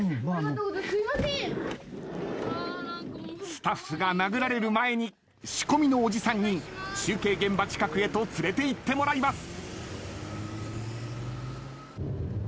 スタッフが殴られる前に仕込みのおじさんに中継現場近くへと連れていってもらいます。